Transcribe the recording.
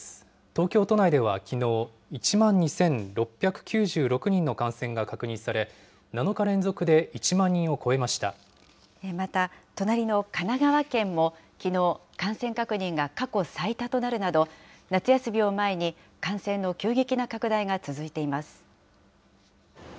東京都内ではきのう、１万２６９６人の感染が確認され、また、隣の神奈川県も、きのう、感染確認が過去最多となるなど、夏休みを前に、感染の急激な拡大が続いています。